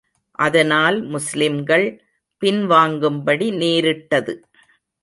அதனால் முஸ்லிம்கள் பின் வாங்கும்படி நேரிட்டது.